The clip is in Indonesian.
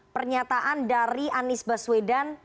pernyataan dari anies baswedan